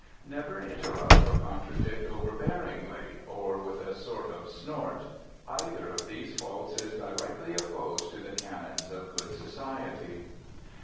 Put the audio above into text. Never interrupt or contradict overbearingly, or with a sort of snort. Either of these faults is directly opposed to the canons of good society.